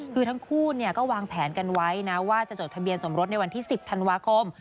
คือทั้งคู่ก็วางแผนกันไว้นะว่าจะจดทะเบียนสมรสในวันที่๑๐ธันวาคม